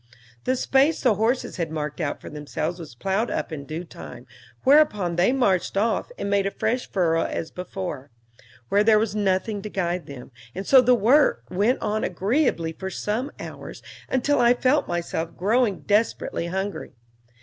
The space the horses had marked out for themselves was plowed up in due time, whereupon they marched off and made a fresh furrow as before, where there was nothing to guide them; and so the work went on agreeably for some hours, until I felt myself growing desperately hungry.